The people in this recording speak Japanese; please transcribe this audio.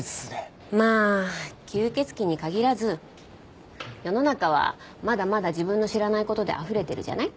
まあ吸血鬼に限らず世の中はまだまだ自分の知らない事であふれてるじゃない？